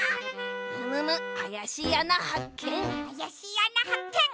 あやしいあなはっけん！